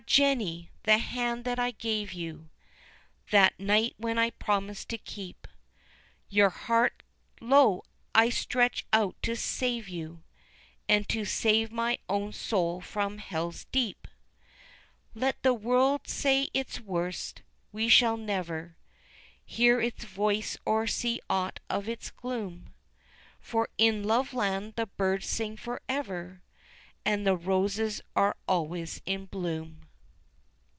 Jenny! the hand that I gave you That night when I promised to keep Your heart lo! I stretch out to save you And to save my own soul from Hell's deep; Let the world say its worst; we shall never Hear its voice or see aught of its gloom, For in Love land the birds sing forever And the roses are always in bloom.